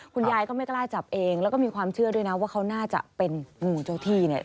คุณยายก็ไม่กล้าจับเองแล้วก็มีความเชื่อด้วยนะว่าเขาน่าจะเป็นงูเจ้าที่เนี่ย